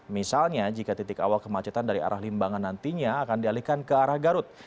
misalnya jika titik awal kemacetan dari arah limbangan nantinya akan dialihkan ke arah garut